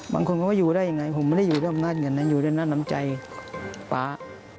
บางคนว่าอยู่ได้ยังไงผมไม่ได้อยู่ด้วยอำนาจเหงื่อนั้นอยู่ด้วยอนามใจป๊า